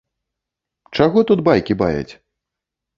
Чаго тут байкі баяць!